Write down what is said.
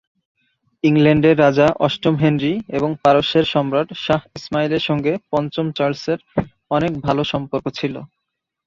ইংল্যান্ডের রাজা অষ্টম হেনরী এবং পারস্যের সম্রাট শাহ ইসমাইলের সঙ্গে পঞ্চম চার্লসের অনেক ভাল সম্পর্ক ছিল।